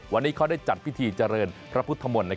วันนี้เขาได้จัดพิธีเจริญพระพุทธมนตร์